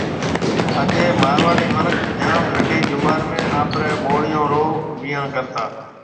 اگَي مارواڙي مِنک جام ننڊِي جمار ۾ آپرَي ٻاݪيون رو وڃان ڪرتا